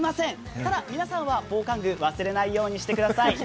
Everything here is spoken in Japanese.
ただ、皆さんは防寒具、忘れないようにしてください。